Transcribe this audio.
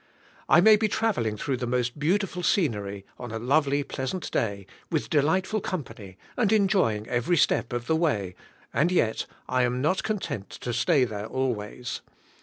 I may be trareling through the most beautiful scenery, on a lovely, pleasant day, with delightful company, and enjoying every step of the way, and yet, I am not content to stay there always.